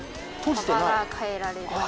幅が変えられる。